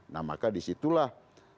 nah maka disitulah